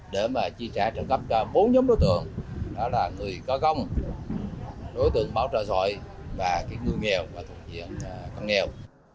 để mà chi trả trợ cấp cho bốn nhóm đối tượng đó là người có công đối tượng bảo trợ xã hội và người nghèo và thuộc diện cận nghèo